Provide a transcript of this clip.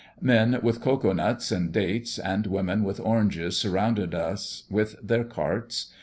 Men with cocoa nuts and dates, and women with oranges surrounded us with their carts.